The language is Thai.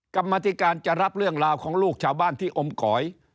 กรรมธิการจะรับเรื่องราวของลูกชาวบ้านที่อมก๋อย